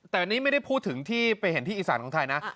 แต่อันนี้ไม่ได้พูดถึงที่ไปเห็นที่อีสานของไทยนะ